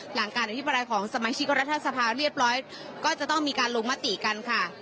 หลังการอภิปรายของสมาชิกรัฐสภาเรียบร้อยก็จะต้องมีการลงมติกันค่ะ